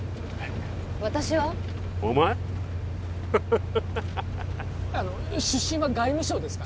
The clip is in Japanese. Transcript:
フハハハハあの出身は外務省ですか？